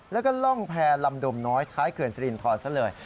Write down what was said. แล้วก็ล่องแพรลำดมน้อยท้ายเขื่อนสิรินทรซะเลย